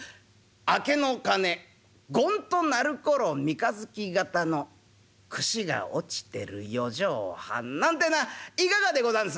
『明けの鐘ゴンと鳴る頃三日月形のくしが落ちてる四畳半』なんてのはいかがでござんす？」。